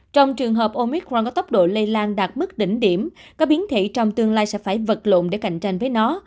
trong trường hợp omicron có tốc độ lây lan đạt mức đỉnh điểm có biến thể trong tương lai sẽ phải vật lộn để cạnh tranh với nó